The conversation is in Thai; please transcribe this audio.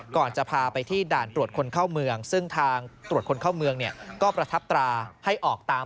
ก่อนจะพาไปที่ด่านตรวจคนเข้าเมืองซึ่งทางตรวจคนเข้าเมืองเนี่ยก็ประทับตราให้ออกตาม